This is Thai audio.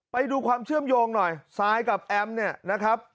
ไปดูความเชื่อมโยงหน่อยซายกับแอมม์